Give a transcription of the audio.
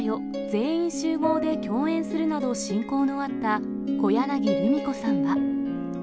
全員集合で共演するなど親交のあった小柳ルミ子さんは。